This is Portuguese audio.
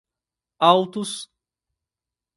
Altos